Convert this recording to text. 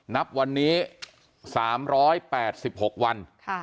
นับวันนี้๓๘๖วัน